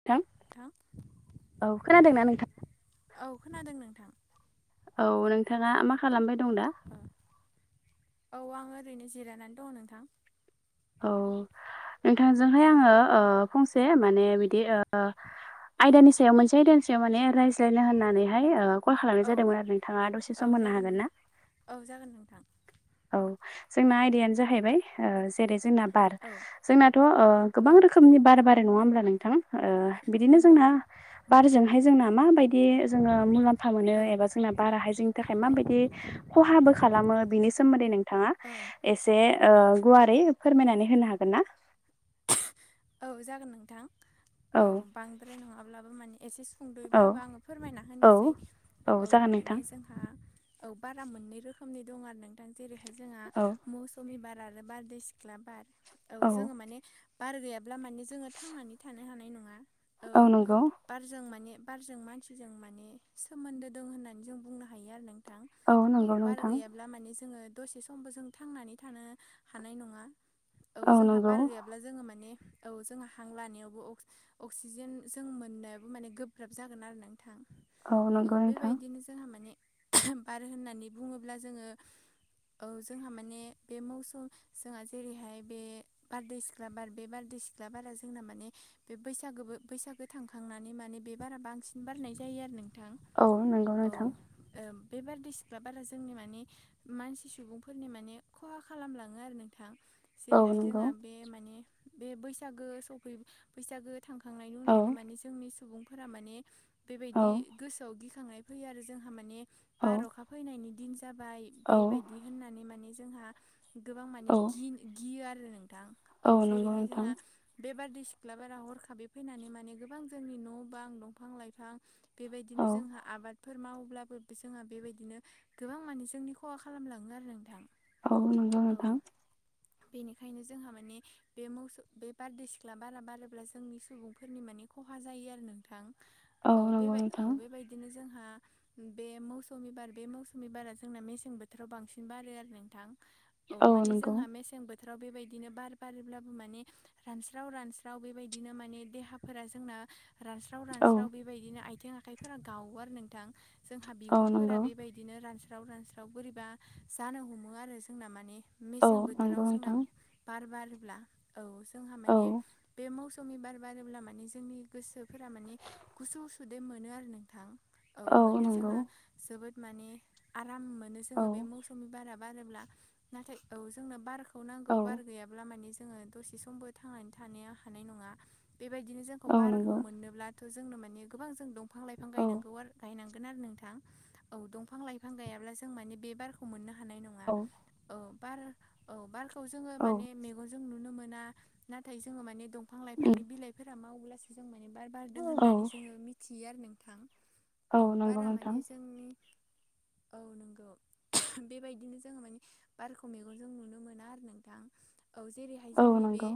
नोंथां नोंथां औ खोनादोंना नोंथां औ खोनादों नोंथां औ नोंथाङा मा खालामबाय दं दा औ आङो ओरैनो जिरायनानै दङ नोंथां औ नोंथांजोंहाय आङो फंसे ओ माने बिदि आयदानि सायाव मोनसे आयदानि सायाव माने रायज्लायनो होननानैहाय कल खालामनाय औ जादोंमोन आरो नोंथाङा दसे औ सम होननो जागोन हागोन ना। नोंथां औ जागोन नोंथां। औ जोंना आयदायानो जाहैबाय ओ जेरै जोंना बार औ जोंनाथ' ओ गोबां औ रोखोमनि बार बारो नङा होमब्ला नोंथां। ओ बिदिनो नंगौ जोंना बारजोंहाय जोंना माबायदि जोंङो मुलाम्फा मोनो औ एबा जोंना बाराहाय जोंनि थाखाय औ माबायदि खहाबो खालामो बिनि सा सोमोन्दै नोंथांङा ओ एसे ओ गुवारै फोरमायनानै होनो हागोन ना। औ जागोन नोंथां। औ बांद्राय नंङाब्लाबो माने एसे औ सुंदयैब्लाबो आंङो फोरमायना औ होनिसै। औ जागोन नोंथां। आ औ बारा मोननै रोखोमनि दं आरो नोंथां जेरैहाय जोंहा औ मौसु मिबार आरो बारदै सिख्ला बार। औ जोंङो माने बार गैया ब्ला माने जोङो थांनानै थानो हानाय नङा। औ नंगौ। बारजों माने बारजों मानसिजों माने सोमोन्दो दों होनना जों बुंनो हायो आरो नों थां औ नंगौ बार नोंथां गैया ब्ला माने जोंङो दसे समबो जों थांनानै थानो हानाय नङा। औ जोंहा बार गैया अब्ला जोङो माने औ जों हां लानायावबो अक्स अक्सिजेन जों मोननायाबो माने गोब्राब जागोन आरो नोंथां। नंगौ औ नोंथां बेबायदिनो जोंहा माने बार होननानै बुङोब्ला जोङो ओ जोंहा माने बे मौसम जोंहा जेरैहाय बे बारदै सिख्ला बार बे बारदै सिख्ला बारा जोंना माने बे बैसागोबो बैसागो थांखांनानै माने बे बारा बांसिन बारनाय जायो आरो नों थां औ नंगौ औ ओ नोंथां बे बारदिसिख्ला बारा जोंनि माने मानसि सुबुंफोरनि माने खहा खालामलाङो आरो नोंथां। औ जेरैहाय नंगौ जोंहा बे माने बे बैसागो सफै बैसागो थांखांनायनि औ उनावनो माने जोंनि सुबुंफोरा माने औ बेबायदि गोसोआव गि खांनाय फैयो आरो जोंहा माने औ बारअखा फैनायनि दिन जाबाय औ बेबायदि होननानै माने जोंहा गोबां माने औ गि गियो आरो नोंथां औ नंगौ जेरैहाय नोंथां जोंहा बे बारदैसिख्ला बारा हरखाबै फैनानै माने गोबां जोंनि न' बां दंफां लाइफां औ बेबायदिनो जोंहा आबाद फोर मावोब्लाबो जोंहा बेबायदिनो गोबां माने जोंनि खहा खालामलाङो आरो नोंथां। औ नोंगौ औ नोंथां। बेनिखायनो जोंहा माने बे मौसु बे बारदै सिख्ला बारा बारोब्ला जोंनि सुबुंफोरनि माने खहा जायो आरो नोंथां। औ नंगौ बेबाय औ नोंथां बेबायदिनो जोंहा बे मौसौमि बार बे मौसौमि बारा जोंना मेसें बोथोराव बांसिन बारो आरो नोंथां। औ माने जोंहा मेसें बोथोराव बेबायदिनो बार बारोब्लाबो माने रानस्राव रानस्राव बेबायदिनो माने देहाफोरा जोंना रानस्राव औ रानस्राव बे बेबायदिनो आथिं आखाइफोरा गावो आरो नोंथां जोंहा औ बिगुरफोरा नंगौ बेबायद दिनो रानस्राव-रानस्राव बोरैबा जानो हमो आरो जोंना माने औ मेसें नंगौ बोथोराव जोंना नोंथां बार बारोब्ला औ जोंहा औ माने बे मौसु सुमी बार बारोब्ला माने जोंनि गोसोफोरा माने गुसु सुदेम मोनो आरो नोंथां। औ माने जोंहा जोबोद माने आराम मोनो औ जोंङो बे मौसमि बारा बारोब्ला नाथाय औ जोंनो बारखौ नांगौ औ बार गैयाब्ला माने जोङो दसे समबो थांनानै थानाया हानाय नंङा बेबायदिनो जोंखौ औ बारखौ नंगौ मोननोब्ला थ' जोंनो माने गोबां जों दंफां लाइफां औ गायनांगौ आरो गायनांगोन आरो नोंथां। औ दंफां लाइफां गायाब्ला जों माने बे बारखौ मोननो हानाय नंङा औ औ बार औ बारखौ जोंङो औ माने मेगनजों नुनो मोना नाथाय जोंङो माने दं फां लाइफांनि बिलाइफोरा मावोब्लासो जों माने बार बारदों औ होननानै जोंङो मिथियो आरो नोंथां। औ नंगौ बारा नोंथां माने जोंनि औ नोंगौ बेबायदिनो जोङो माने बारखौ मेगनजों नुनो मोना आरो नोंथां औ जेरैहाय औ जोंनि बे नंगौ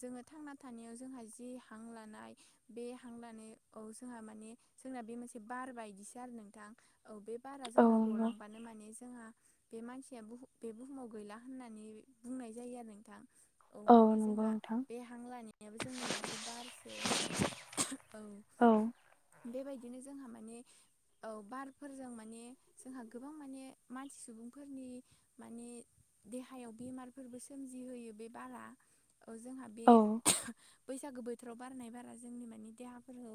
जोङो थांना थानायाव जोंहा जि हां लानाय बे हां लानाय औ जोंहा माने जोंना बे मोनसे बार बायदिसो आरो नोंथां औ बे बारा औ जोंना नंगौ गलांबानो माने जोंहा बे मानसिया बुहु बे बुहुमाव गैला होननानै बुंनाय जायो आरो नोंथां औ माने नंगौ जोंहा नोंथां बे हां लानायाबो जोंनि मोनसे बारसो औ बेबायदिनो जोंहा माने औ बारफोरजों माने जोंहा गोबां माने मानसि सुबुंफोरनि माने देहायाव बेमारफोरबो सोमजिहोयो बे बारा औ जोंहा बे औ बैसागो बोथोराव बारनाय बारा जोंनि मानि देहाफोरखौ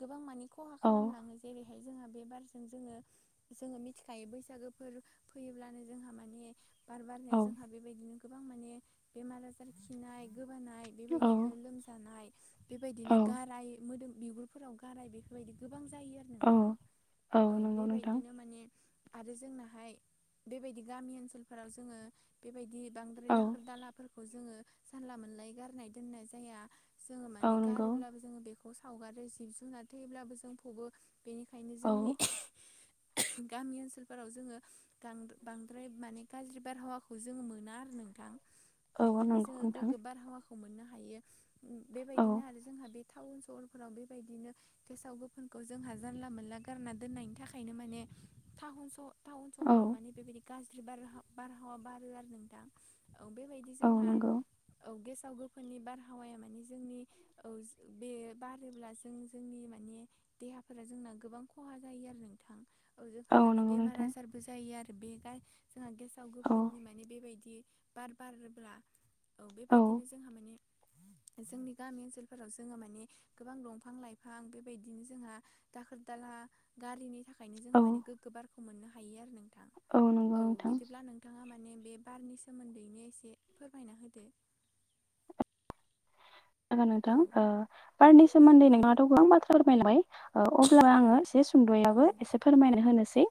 गोबां मानि खहा औ खालामलाङो जेरैहाय जोंहा बे बारजों जोङो जोङो मिथिखायो बैसागोफोर फैयोब्लानो जोंहा माने बार बारनायाव जोंहा बेबायदिनो गोबां माने बेमार आजार खिनाय गोबानाय औ बेबायदिनो लोमजानाय औ बेबायदिनो गाराय, मोदोम, बिगुर फोराव गाराय बेफोरबायदि गोबां जायो आरो नोंथां औ औ नंगौ नोंथां बेबायदिनो माने आरो जोंनाहाय बेबायदि गामि ओनसोलफोराव जोङो बेबायदि बांद्राय औ दाखोर दाला फोरखौ जोङो जानला मोनलायै गारनाय दोननाय जाया जोङो औ माने नंगौ गारोब्लाबो जोङो बेखौ सावगारो जिब जुनार थेब्लाबो जों फबो बेनिखायनो औ जोंनि गामि ओनसोलफोराव जोङो गां बांद्राय माने गाज्रि बारहावाखौ जोङो मोना आरो नोंथां औ माने नंगौ जोङो नोंथां गोग्गो बारहावाखौ मोननो हायो औ बेबायदिनो आरो जोंहा बे टाउन सहरफोराव बेबायदिनो गेसाव गोफोनखौ जोंहा जानला मोनला गारना दोननायनि थाखायनो माने थाहन सह टाउन सहराव औ माने बेबायदि गाज्रि बार बारहावा बारो आरो नोंथां औ बेबायदि औ जोंहा नंगौ औ गेसाव गोफोननि बारहावाया माने जोंनि औ बे बारोब्ला जों जोंनि माने देहाफोरा जोंना गोबां खहा जायो आरो नोंथां औ जोंहा माने नंगौ बेमार नोंथां आजारबो जायो आरो बे गाय जोंहा गेसाव औ गोफोननि माने बेबायदि बार बारोब्ला औ बेबायदिनो जोंहा माने जोंनि गामि ओनसोलफोराव जोङो माने गोबां दंफां लाइफां बेबायदिनो जोंहा दाखोर दाला गारिनि थाखायनो औ जोङो माने गोग्गो बारखौ मोननो हायो आरो नोंथां नंगौ औ नोंथां बिदिब्ला नों थाङा माने बे बारनि सोमोन्दैनो एसे फोरमायना होदो। जागोन नोंथां औ ओ बारनि सोमोन्दै औ नोंहाथ' गोबां बाथ्रा फोरमाय लांबाय ओ अब्ला औ आङो एसे औ सुंद'यैब्लाबो नंगौ एसे फोरमायना होनोसै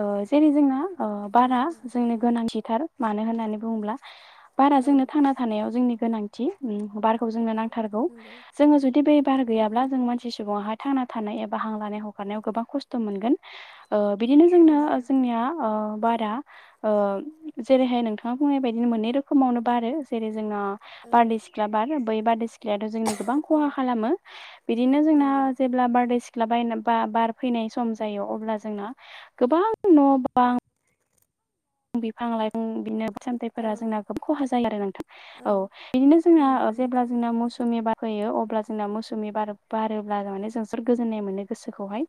ओ जेरै जोंना ओ औ बारा जागोन नोंथां जोंनो गोनांथिथार मानो होननानै बुङोब्ला बारा औ जोंनो थांना थानायाव जोंनि गोनांथि उम बार खौ जोंनो औ नांथारगौ नंगौ जों जुदि बार नंगौ गैयाब्ला मानसि सुबुङाहाय थांना थानाय एबा हां लानाय हगारनायाव गोबां खस्थ' मोनगोन ओ बिदिनो जोंनो नंगौ जोंनिया ओ बारा ओ जेरैहाय नोंथाङा बुंनाय बायदिनो मोननै रोखोमावनो बारो जेरै जोंना औ बारदै सिख्ला बार बै बारदै सिख्लायाथ' जोंनि गोबां औ खहा खालामो बिदिनो जोंना नंगौ जेब ब्ला बारदै सिख्ला बाय बा बार फैनाय सम जायो अब्ला जोंना गोबां न' बां बिफां लाइफां बिदिनो औ सामथाइफोरा जोंना खोब खहा जायो आरो नोंथां औ बिदिनो नंगौ नोंथां जोंना मौसुमि बार होयो अब्ला जोंना मौसुमि बार बारोब्ला माने जोंबोर गोजोननाय मोनो गोसोखौहाय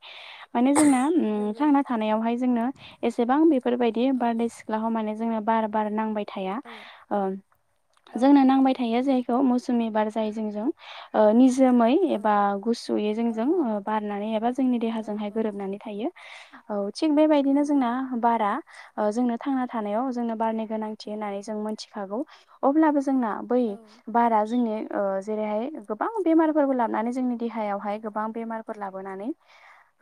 माने जोंना उम नंगौ थांना थानायावहाय जोंनो एसेबां बेफोरबायदि औ बारदै सिख्लाखौ माने जोंनो बार बार नांबाय थाया औ ओ औ जोंनो नंगौ नांबाय थायो जे थ मौसुमि बार जायो जोंजों निजोमै औ एबा गुसुयै औ जोंजों बारनानै एबा जोंनि औ देहाजोंहाय औ गोरोबनानै थि बेबायदिनो जों नोंगौ बार थांना थानायाव जोंनो बारनि गोनांथि होननानै जों मोनथिखागौ अब्लाबो जोंना बै औ बारा जोंनि जेरैहाय गोबां बेमारफोरबो लाबोनानै जोंनि देहायावहाय गोबां बेमारफोर लाबोनानै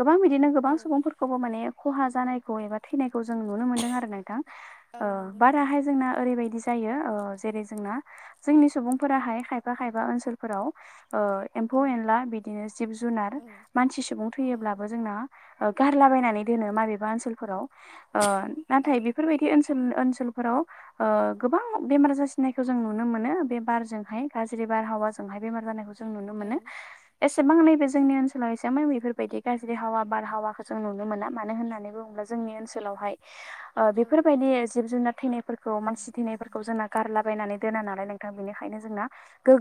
गोबां बिदिनो औ गोबां सुबुंफोरखौबो माने खहा जानायखौ एबा थैनायखौ जों नुनो मोन्दों आरो न औ नंगौ नोंथां बाराहाय जोंना ओरैबायदि जायो जेरै जोंना जोंनि सुबुंफोराहाय खायफा खायफा ओनसोलफोराव औ एम्फौ एनला बिदिनो जिब जुनार औ मानसि सुबुं औ थैयोब्लाबो जोंना गारलाबायनानै दोनो माबेबा ओनसोलाफोराव ओ औ नाथाय बे ओनसोल ओनसोलफोराव गोबां बेमार जासिनायखौ जों नुनो मोनो बे बारजोंहाय गाज्रि बारहावाजोंहाय बेमार जानायखौ ज जों नुनो औ मोनो ए एसेबां नैबे जोंनि ओनसोलाव एसेबां बेफोरबायदि गाज्रि हावा बारहावाखौ जों नुनो मोना मानो होननानै बुङोब्ला जोंनि ओ ओनसोलावहाय औ बेफोरबायदि जिब जार थैनायफोरखौ मानसि थैनायफोरखौ जोंना गारलाबायनानै दोना नालाय नोंथां बेनिखायनो जोंना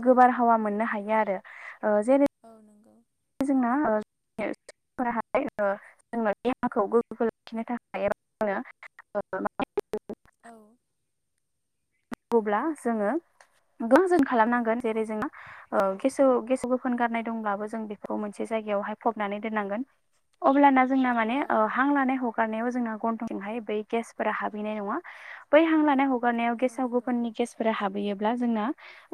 औ बार हावा मोननो हायो आरो जेने औ नोंगौ जोंना [unintelligible] जोंना देहाखौ गोगो लाखिनो थाखाय एबा औ नांगौब्ला जोङो [unintelligible] जों खालामनांगोन जेरै जों [unintelligible] गोफोन गारनाय दंब्लाबो जों मोनसे जायायावहाय फबनानै दोननांगोन अब्लाना जोंना माने औ हां लानाय ह हगारनायाव जोंहा गनथंजोंहाय जोंहा बै गेसफोरा हाबहैनाय नङा बै हां लानाय हगारनायाव औ गेसफोरा नंगौ गेसफोरा हाबहैयोब्ला जोंना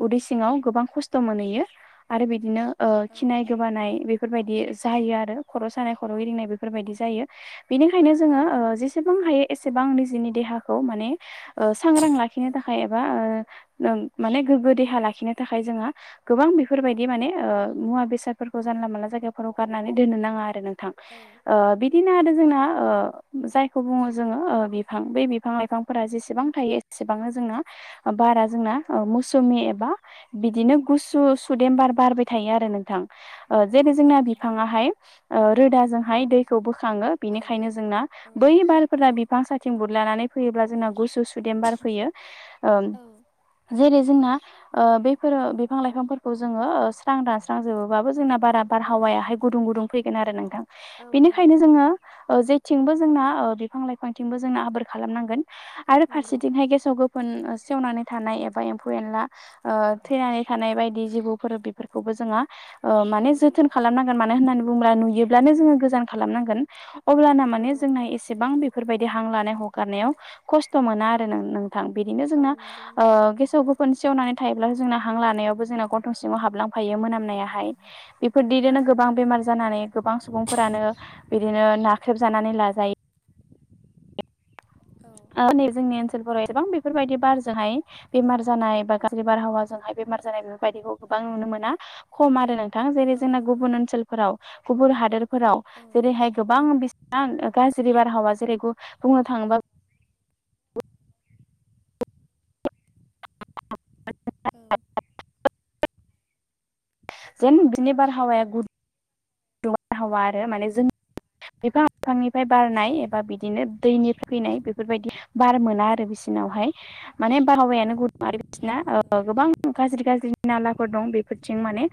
उदै सिङाव गोबां खस्थ' मोनहैयो आरो बिदिनो औ खिनाय गोबानाय बेफोरबायदि जायो आरो खर' सानाय खर' गिदिंनाय बेफोरबायदि जायो बिनिखायनो औ जोङो नंगौ जेसेबां हायो एसेबां निजेनि देहाखौ माने सांग्रां लाखि औ एबा माने गोग्गो देहा लाखिनो थाखाय जोङो गोबां बेफोरबायदि माने मुवा बेसादफोरखौ जानला मोनानला जायगाफोराव गारनानै दोननो नाङा आरो नोंथां औ आ बि बिदिनो आरो जोंना ओ जायखौ बुङो जोङो बिफां बे बिफां लाइफांफोरा जेसेबां थायो बेसेबांनो जोंना बारा जोंना ओ मौसुमि एबा बिदिनो गुसु सुदेमबार बारबाय थायो आरो नोंथां ओ जेरै औ जोंना नंगौ बिफाङाहाय ओ रोदाजोंहाय दै बोखाङो औ बिनिखायनो जोंना औ बै बारफोरा बिफां साथिं बुर लानानै फैयोब्ला जोंना गुसु सुदेमबार फैयो ओम औ जेरै जोंना बेफोरो बिफां लाइफांफोरखौ जोङो स्रां दानस्रां जोबोबाबो जोंना बारा औ बारहावायाहाय गुदुं गुदुं फैगोन आरो नोंथां औ नंगौ बेनिखायनो जोङो नंगौ जेथिंबो जोंना बिफां लाइफांथिंबो जोंना आबोर खालामनांगोन आरो नंगौ फारसेथि गेसाव गोफोन सेवनानै थानाय एबा एम्फौ एनला थैनानै थानाय बायदि जिबौफोर बेफोरखौबो जोंहा औ माने जोथोन खालामनांगोन मानो होननानै बुङोब्ला नुयोब्लानो जोङो गोजान खालामनांगोन अब्लाना औ माने जोंना एसेबां बेफोरबायदि हां लानाय हगारनायाव खस्थ' मोनो औ नो नोंथां औ जोंना नंगौ ओ नोंथां गेसाव गोफोन खनसेयाववनानै थायोब्ला जोंना हां लानायावबो जोंना गथं सिङाव हाबलांफायो मोनामनायाहाय औ बेफोरदिदोनो गोबां बेमार जानानै गोबां सुबुंफोरानो बिदिनो नाख्रेबजानानै लाजायो औ ओ [unintelligible] जोंनि ओनसोलफोराव एसेबां बेफोरबायदि बारजोंहाय बेमार जानाय बा गाज्रि बारहावाजोंहाय बेमार जानाय बेफोरबायदिखौ गोबां नुनो मोना खम आरो नों दा जेरै औ जोंना नंगौ गुबुन ओनसोलफोराव गुबुन हादोरफोराव औ जेरैहाय गोबां बिस थां गाज्रि बारहावा जेरै गु बुंनो थाङोबा [unintelligible] औ जेन बिनि बारहावाया गु [unintelligible] हावा आरो माने जोंनि बिफां लाइफांनिफ्राय बारनाय एबा बिदिनो दैनिफ्राय फैनाय बेफोरबायदि बार मोना आरो बिसिनावहाय माने बारहावायानो गुदुं आरो औ बिदिना नंगौ ओ गोबां गाज्रि गाज्रि नालाफोर दं बेफोरथिं माने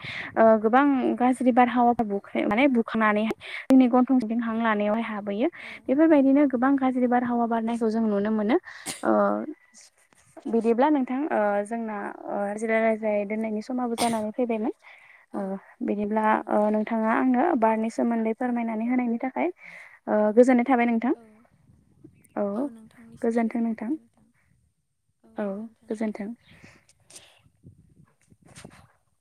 ओ गोबां गाज्रि बारहावा बु माने बुखांनानैहाय जोंनि गन्थंजों हां लानायावहाय हाबहैयो औ बेफोरबायदिनो गोबां गाज्रि बारहावा बारनायखौ जों नुनो मोनो ओ औ बिदिब्ला नोंथां ओ जोंना ओ [unintelligible] नाय दोननायनि समाबो जानानै फैबायमोन ओ औ बिदिब्ला औ ओ नंगौ नों नोंथां थाङा आंनो बारनि सोमोन्दै औ फोरमायनानै होनायनि थाखाय ओ गोजोन्नाय थाबाय नों औ औ नोंथांनिसिमबो गोजोननाय थाबाय नोंथां औ गोजोनथों नोंथां [inaudible]